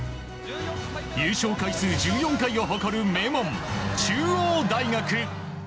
優勝回数１４回を誇る名門中央大学。